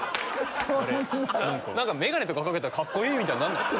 眼鏡とか掛けたらカッコいい！みたいになんないんすか？